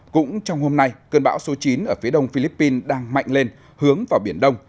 cũng trong hôm nay cơn bão số chín ở phía đông philippines đang mạnh lên hướng vào biển đông